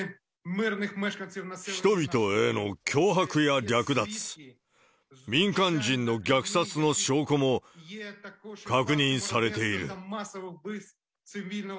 人々への脅迫や略奪、民間人の虐殺の証拠も確認されている。